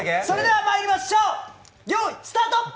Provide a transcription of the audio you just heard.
それではまいりましょう、用意スタート！